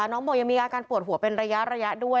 น้องบอกยังมีอาการปวดหัวเป็นระยะด้วย